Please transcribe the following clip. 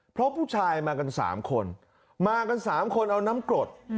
เพราะผู้ชายมากัน๓คนมากัน๓คนเอาน้ำกรด